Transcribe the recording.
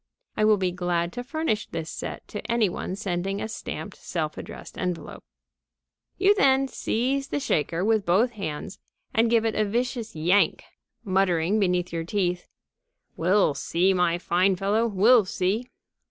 I will be glad to furnish this set to any one sending a stamped, self addressed envelope.) You then seize the shaker with both hands and give it a vicious yank, muttering between your teeth: "We'll see, my fine fellow! We'll see!"